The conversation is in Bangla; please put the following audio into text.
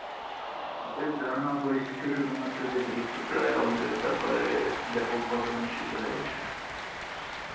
অতএব, ধারণা পরিশিষ্ট শুধুমাত্র যে বিলুপ্তপ্রায় অঙ্গের ব্যাপকভাবে অনুষ্ঠিত হয়ে ওঠে।